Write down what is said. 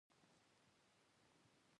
ښوونځی د هیواد مينه زیږوي